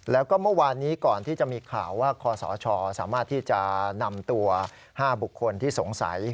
แล้วก็เมื่อวานนี้ก่อนที่จะมีข่าวว่าคศสามารถที่จะนำตัว๕บุคคลที่สงสัย